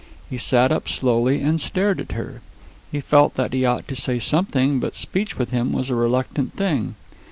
He sat up slowly and stared at her. He felt that he ought to say something, but speech with him was a reluctant thing.